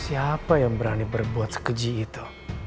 siapa yang berani berbuat sekeji itu